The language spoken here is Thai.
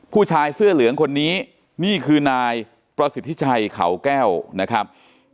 ผู้ชายเสื้อเหลืองคนนี้นี่คือนายประสิทธิชัยเขาแก้วนะครับ